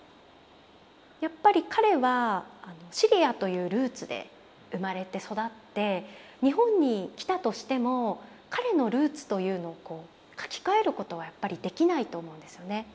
やっぱり彼はシリアというルーツで生まれて育って日本に来たとしても彼のルーツというのを書き換えることはやっぱりできないと思うんですよね。